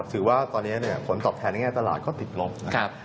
ถือว่าตอนนี้ผลตอบแทนในแง่ตลาดก็ติดลบนะครับ